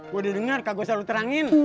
gue udah dengar kak gue selalu terangin